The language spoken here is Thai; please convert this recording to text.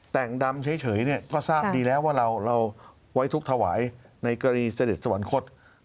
แต่งดำเฉยเนี่ยก็ทราบดีแล้วว่าเราไว้ทุกข์ถวายในกรณีเสด็จสวรรคต